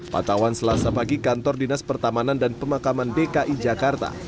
patawan selasa pagi kantor dinas pertamanan dan pemakaman dki jakarta